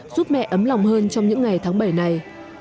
giúp mẹ ấm lòng hơn trong những ngày tháng bảy này